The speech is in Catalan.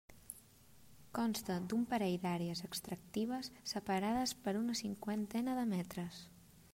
Consta d'un parell d'àrees extractives separades per una cinquantena de metres.